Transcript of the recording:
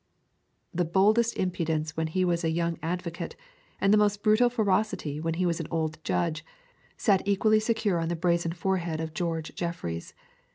The boldest impudence when he was a young advocate, and the most brutal ferocity when he was an old judge, sat equally secure on the brazen forehead of George Jeffreys.